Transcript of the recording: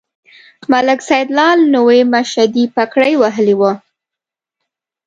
ملک سیدلال نوې مشدۍ پګړۍ وهلې وه.